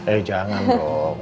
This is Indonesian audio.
eh jangan dong